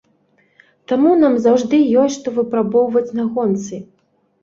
Таму нам заўжды ёсць што выпрабоўваць на гонцы.